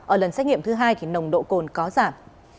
ở lần xét nghiệm thứ hai thì nồng độ cồn có giảm